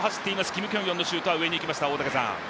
キム・キョンヨンのシュートは上に行きました。